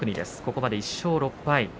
ここまで１勝６敗。